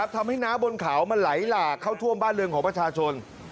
ทำให้น้ำบนเขามันไหลหลากเข้าท่วมบ้านเรือนของประชาชน